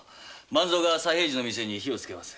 万造が佐平次の店に火をつけます。